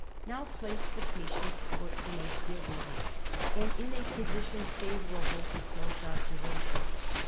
Now place the patient's foot in a good light, and in a position favourable to close observation.